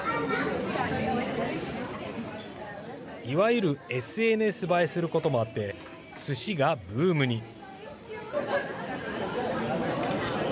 いわゆるＳＮＳ映えすることもあってスシがブームに。